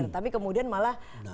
tapi kemudian malah